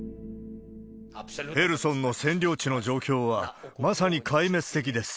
ヘルソンの占領地の状況は、まさに壊滅的です。